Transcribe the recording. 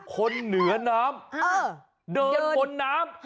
คนเหนือน้ำเดินบนน้ำ